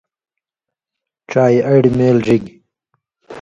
ڇائ اڑیۡ میل ڙِگیۡ